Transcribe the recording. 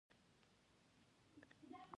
ځغاسته د ژوند د مینې نښه ده